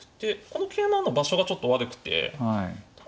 この桂馬の場所がちょっと悪くて多分。